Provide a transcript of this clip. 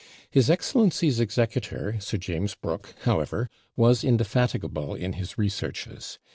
His excellency's executor, Sir James Brooke, however, was indefatigable in his researches.